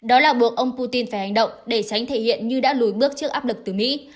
đó là buộc ông putin phải hành động để tránh thể hiện như đã lùi bước trước áp lực từ mỹ